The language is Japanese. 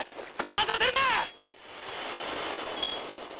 出させるな！